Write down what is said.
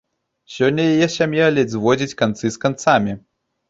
Сёння яе сям'я ледзь зводзіць канцы з канцамі.